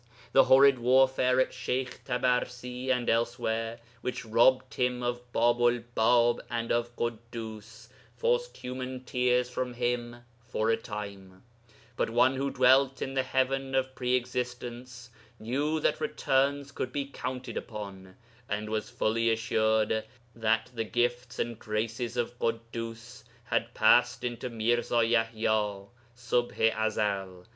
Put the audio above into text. The horrid warfare at Sheykh Tabarsi and elsewhere, which robbed him of Bābu'l Bāb and of Ḳuddus, forced human tears from him for a time; but one who dwelt in the 'Heaven of Pre existence' knew that 'Returns' could be counted upon, and was fully assured that the gifts and graces of Ḳuddus had passed into Mirza Yaḥya (Ṣubḥ i Ezel).